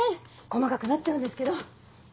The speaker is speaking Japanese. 細かくなっちゃうんですけど。